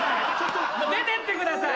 出てってください！